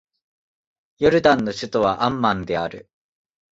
ヨルダンの首都はアンマンである